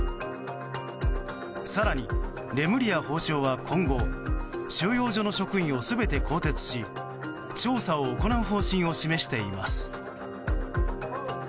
更に、レムリヤ法相は今後、収容所の職員を全て更迭し調査を行う方針を示しています。